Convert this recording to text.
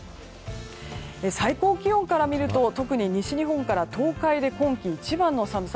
最高気温から見ると特に西日本から東海で今季一番の寒さ。